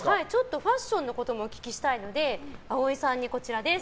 ファッションのこともお聞きしたいので葵さんにこちらです。